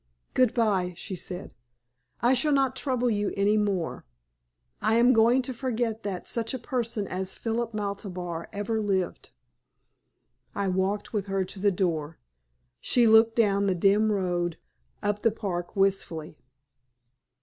"Goodbye," she said. "I shall not trouble you any more. I am going to forget that such a person as Philip Maltabar ever lived." I walked with her to the door. She looked down the dim road up the park wistfully.